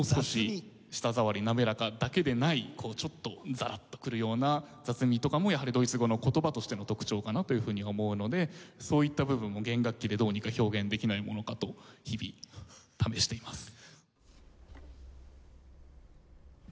舌触り滑らかだけでないこうちょっとザラッとくるような雑味とかもやはりドイツ語の言葉としての特徴かなというふうに思うのでそういった部分を弦楽器でどうにか表現できないものかと日々試しています。